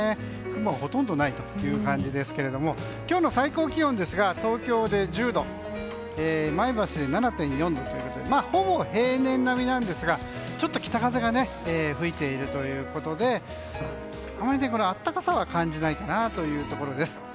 雲がほとんどない感じですが今日の最高気温ですが東京で１０度前橋で７．４度ということでほぼ平年並みなんですがちょっと北風が吹いているということであまり暖かさは感じないかなというところです。